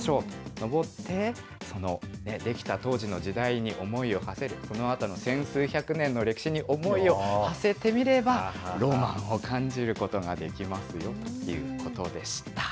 登って、その出来た当時の時代に思いをはせる、そのあとの千数百年の歴史に思いをはせてみれば、ロマンを感じることができますよということでした。